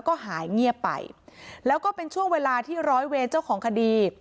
ก็หายเงียบไปแล้วก็เป็นช่วงเวลาที่ร้อยเวรเจ้าของคดี